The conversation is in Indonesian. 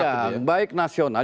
ya baik nasional